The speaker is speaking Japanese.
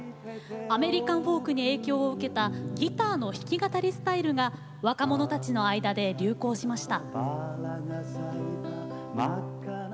アメリカンフォークに影響を受けたギターの弾き語りスタイルが若者たちの間で流行しました。